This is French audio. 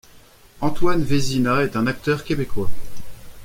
Antoine Vézina est un acteur québécois.